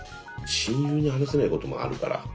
親友に話せないこともあるから。